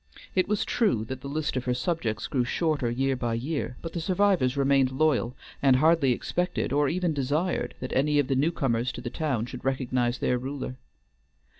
It was true that the list of her subjects grew shorter year by year, but the survivors remained loyal, and hardly expected, or even desired, that any of the newcomers to the town should recognize their ruler.